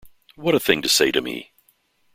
What a thing to say to me!